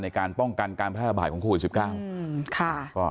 ในการป้องกันการพัฒนาบ่ายของโครงโหลด๑๙